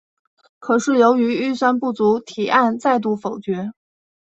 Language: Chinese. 可是由于预算不足提案再度否决。